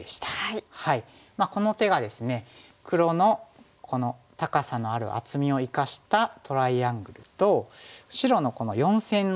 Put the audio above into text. この手がですね黒のこの高さのある厚みを生かしたトライアングルと白のこの四線のですね